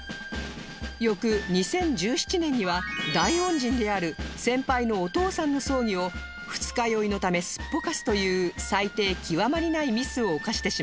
翌２０１７年には大恩人である先輩のお父さんの葬儀を二日酔いのためすっぽかすという最低極まりないミスを犯してしまいます